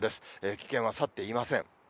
危険は去っていません。